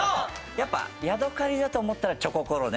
やっぱヤドカリだと思ったらチョココロネ。